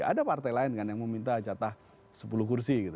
ada partai lain kan yang meminta jatah sepuluh kursi gitu